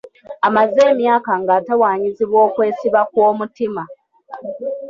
Amaze emyaka nga atawaanyizibwa okwesiba kw'omutima.